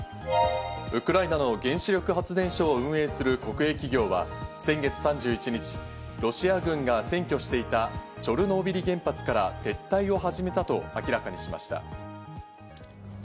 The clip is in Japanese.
ウクライナの原子力発電所を運営する国営企業は先月３１日、ロシア軍が占拠していたチョルノービリ原発から撤退を始めたと明らかにしました。